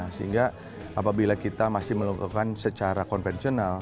sehingga apabila kita masih melakukan secara konvensional